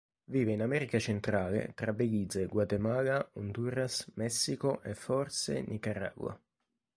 Vive in America Centrale tra Belize, Guatemala, Honduras, Messico e, forse, Nicaragua.